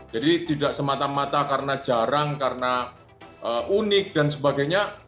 jadi tidak semata mata karena jarang karena unik dan sebagainya